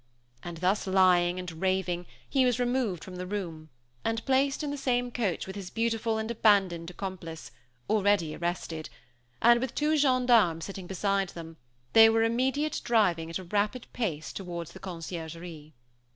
And thus lying and raving, he was removed from the room, and placed in the same coach with his beautiful and abandoned accomplice, already arrested; and, with two gendarmes sitting beside them, they were immediate driving at a rapid pace towards the Conciergerie.